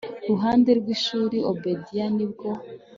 ruhande kwishuri obedia nibwo